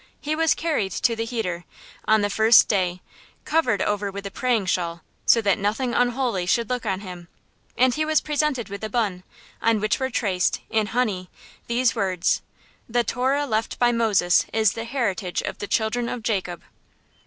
He was carried to the heder, on the first day, covered over with a praying shawl, so that nothing unholy should look on him; and he was presented with a bun, on which were traced, in honey, these words: "The Torah left by Moses is the heritage of the children of Jacob."